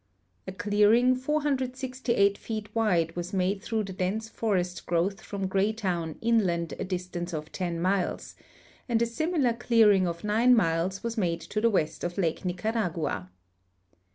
A clearing 4()8 feet wide was made through the dense forest growth from Gi'eytown inland a distance of 10 miles, and a similar clearing of 0 miles was made to the west of Lake Nicaragua.